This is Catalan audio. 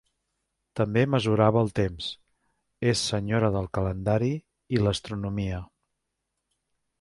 També mesurava el temps, és Senyora del Calendari i l'Astronomia.